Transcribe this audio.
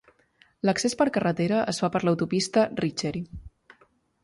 L'accés per carretera es fa per l'autopista Riccheri.